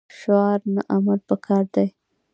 شعار نه عمل پکار دی